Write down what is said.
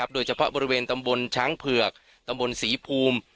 โดยเฉพาะบริเวณตำบลช้างเผือกตำบลศรีภูมิ